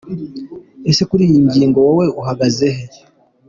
Ese kuri iyi ngingo wowe uhagaze he?.